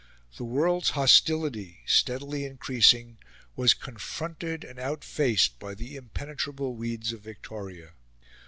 The world's hostility, steadily increasing, was confronted and outfaced by the impenetrable weeds of Victoria.